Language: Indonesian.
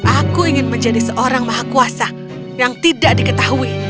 aku ingin menjadi seorang maha kuasa yang tidak diketahui